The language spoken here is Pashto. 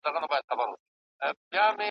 نه په سرمنزل نه رباتونو پوهېدلی یم `